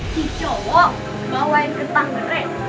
si cowok bawain kentang gere